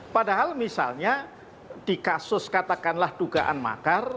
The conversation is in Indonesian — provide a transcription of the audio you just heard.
padahal misalnya di kasus katakanlah dugaan makar